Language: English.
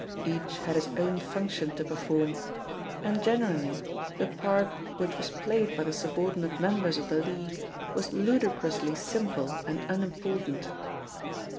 Each had his own function to perform, and generally the part which was played by the subordinate members of the league was ludicrously simple and unimportant.